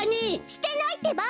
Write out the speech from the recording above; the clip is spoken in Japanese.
してないってば！